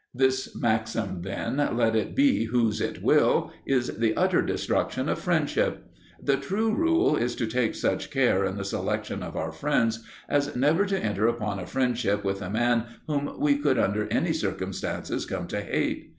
This maxim, then, let it be whose it will, is the utter destruction of friendship. The true rule is to take such care in the selection of our friends as never to enter upon a friendship with a man whom we could under any circumstances come to hate.